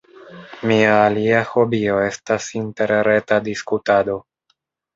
Mia alia hobio estas interreta diskutado.